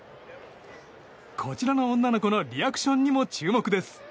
こちらの女の子のリアクションにも注目です。